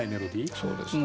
そうですね。